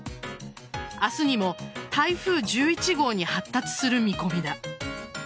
明日にも台風１１号に発達する見込みだ。